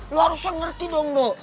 lo harusnya ngerti dong bu